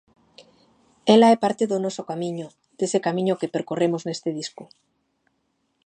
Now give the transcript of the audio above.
Ela é parte do noso camiño, dese camiño que percorremos neste disco.